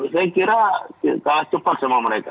saya kira kalah cepat sama mereka